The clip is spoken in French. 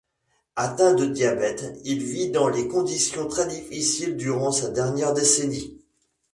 Atteint de diabète, il vit dans des conditions très difficiles durant sa dernière décennie.